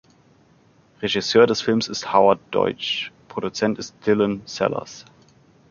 Regisseur des Films ist Howard Deutch, Produzent ist Dylan Sellers.